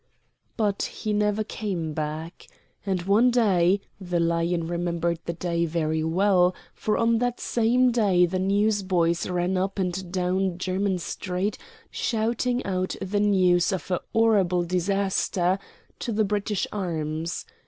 But he never came back. And one day the Lion remembered the day very well, for on that same day the newsboys ran up and down Jermyn Street shouting out the news of "a 'orrible disaster" to the British arms.